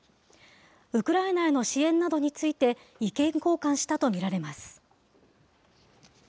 ウクライナへの支援などについて、意見交換したと見られます。